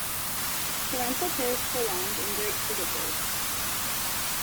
Parental care is prolonged in great frigatebirds.